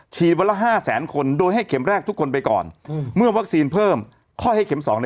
ฉีดวันละ๕๐๐๐๐๐คนโดยให้เข็มแรกทุกคนไปก่อน